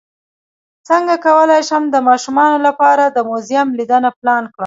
څنګه کولی شم د ماشومانو لپاره د موزیم لیدنه پلان کړم